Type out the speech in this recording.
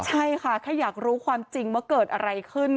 ใช่ค่ะแค่อยากรู้ความจริงว่าเกิดอะไรขึ้น